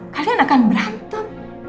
kalian akan berantem